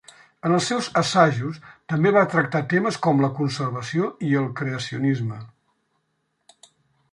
En els seus assajos també va tractar temes com la conservació i el creacionisme.